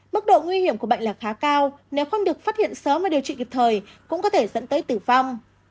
mức độ nguy hiểm của bệnh là khá cao nếu không được phát hiện sớm và điều trị kịp thời cũng có thể dẫn tới tử vong